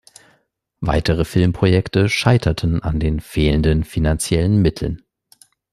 Weitere Filmprojekte scheiterten an den fehlenden finanziellen Mitteln.